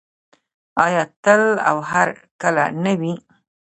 آیا تل او هرکله نه وي؟